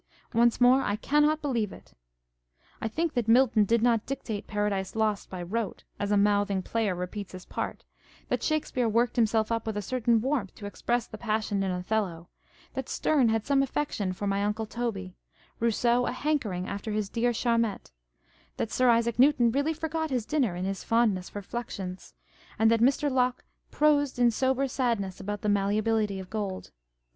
Once more, I cannot believe it. I think that Milton did not dictate Paradise Lost by rote (as a mouthing player repeats his part), that Shakespeare worked himself up with a certain warmth to express the passion in Othello, that Sterne had some affection for My Uncle Toby, Eousseau a hankering after his dear Charmettes, that Sir Isaac Newton really forgot his dinner in his fondness for fluxions, and that Mr. Locke prosed in sober sadness about the malleability of gold.